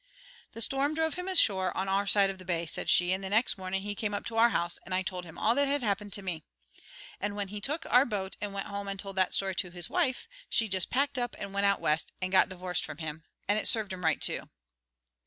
"The storm drove him ashore on our side of the bay," said she, "and the next mornin' he came up to our house, and I told him all that had happened to me. And when he took our boat and went home and told that story to his wife, she just packed up and went out West, and got divorced from him. And it served him right, too."